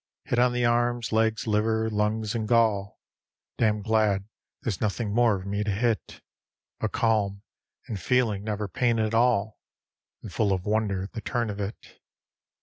Hit on the arms, legs, liver, lungs and gall; Damn glad there's nothing more of me to hit; But calm, and feeling never pain at all, And full of wonder at the turn of it.